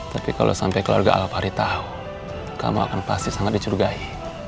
tapi kalau sampai keluarga ala pari tahu kamu akan pasti sangat dicurigai